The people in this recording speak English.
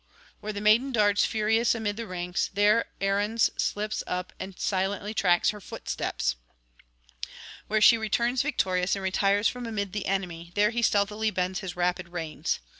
Where the maiden darts furious amid the ranks, there Arruns slips up and silently tracks her footsteps; where she returns victorious and retires from amid the enemy, there he stealthily bends his rapid reins.